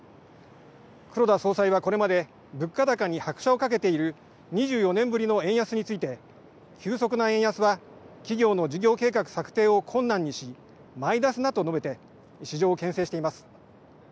黒田総裁はこれまで物価高に拍車をかけている２４年ぶりの円安について急速な円安は企業の事業計画策定を困難にしマイナスだと述べて市場をけん制しています。